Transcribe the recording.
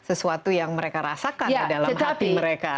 sesuatu yang mereka rasakan di dalam hati mereka